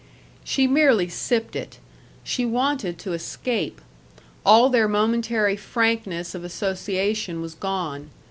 She merely sipped it. She wanted to escape. All their momentary frankness of association was gone.